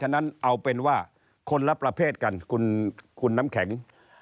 ฉะนั้นเอาเป็นว่าคนละประเภทกันคุณน้ำแข็ง